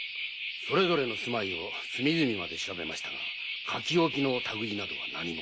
それぞれの住まいを隅々まで調べましたが書き置きの類などは何も。